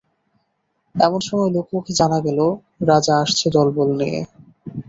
এমন সময় লোকমুখে জানা গেল, রাজা আসছে দলবল নিয়ে।